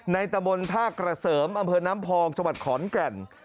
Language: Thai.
ในตะบลท่ากระเสริมเอาเปิดน้ำพองชวัดขอนแก่น